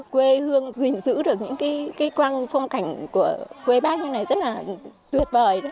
quê hương gìn giữ được những cái quang phong cảnh của quê bắc như thế này rất là tuyệt vời đấy